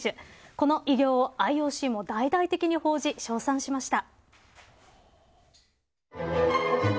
この偉業をＩＯＣも大々的に報じ、賞賛しました。